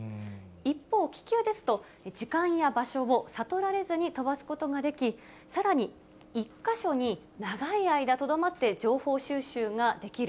一方、気球ですと、時間や場所を悟られずに飛ばすことができ、さらに１か所に長い間とどまって情報収集ができる。